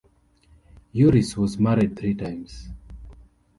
Uris was married three times.